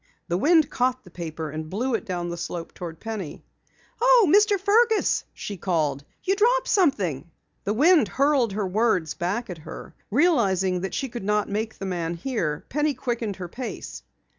The wind caught the paper and blew it down the slope toward Penny. "Oh, Mr. Fergus!" she called. "You dropped something!" The wind hurled her words back at her. Realizing that she could not make the man hear, Penny quickened her pace.